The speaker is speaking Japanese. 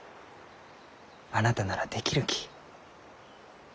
あなたならできるき。